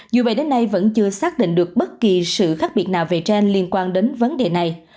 điều này vẫn chưa xác định được bất kỳ sự khác biệt nào về gene liên quan đến vấn đề này